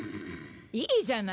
いいじゃない。